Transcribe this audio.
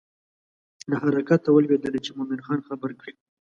له حرکته ولوېدله چې مومن خان خبر کړي.